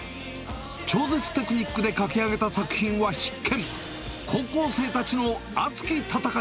超絶テクニックで描き上げた作品は必見。